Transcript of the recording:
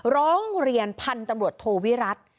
ร้องเรียนพันธุ์ตำรวจโทวิรัติ